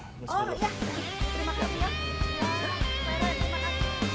oh iya terima kasih ya